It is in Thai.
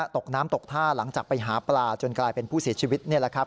ตกน้ำตกท่าหลังจากไปหาปลาจนกลายเป็นผู้เสียชีวิตนี่แหละครับ